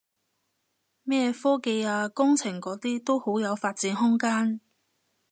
咩科技啊工程嗰啲都好有發展空間